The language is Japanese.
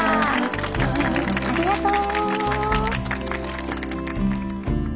ありがとう。